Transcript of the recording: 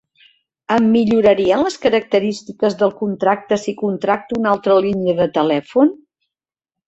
Em millorarien les característiques del contracte si contracto una altra línia de telèfon?